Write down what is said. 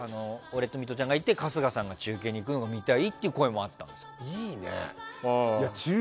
俺とミトちゃんがいて春日さんが中継に行くのが見たいっていう声もあったんですよ。